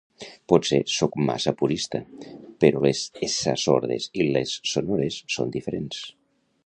Potser soc massa purista, però les essa sordes i les sonores són diferents